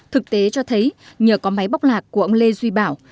thực tế cho thấy nhờ có máy bóc lạc của ông lê duy bảo